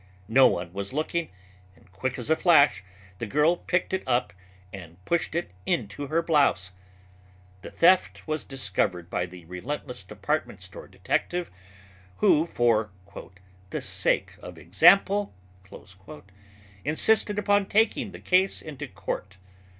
No one was looking and quick as a flash the girl picked it up and pushed it into her blouse. The theft was discovered by the relentless department store detective who, for "the sake of example," insisted upon taking the case into court.